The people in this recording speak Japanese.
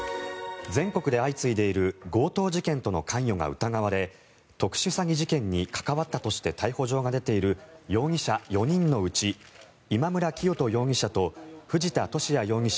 全国で相次いでいる強盗事件との関与が疑われ特殊詐欺事件に関わったとして逮捕状が出ている容疑者４人のうち今村磨人容疑者と藤田聖也容疑者